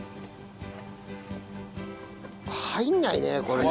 入んないねこれ。